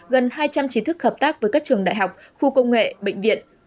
gần hai trăm linh trí thức hợp tác với các trường đại học khu công nghệ bệnh viện